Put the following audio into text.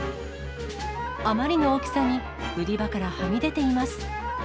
あまりの大きさに、売り場からはみ出ています。